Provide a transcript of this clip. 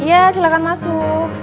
iya silahkan masuk